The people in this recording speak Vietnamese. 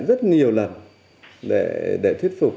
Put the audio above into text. rất nhiều lần để thuyết phục